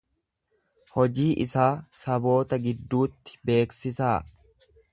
Hojii isaa saboota gidduutti beeksisaa.